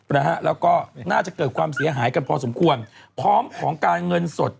นะฮะแล้วก็น่าจะเกิดความเสียหายกันพอสมควรพร้อมของการเงินสด